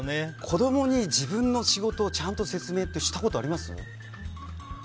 子供に自分の仕事をちゃんと説明したことあります？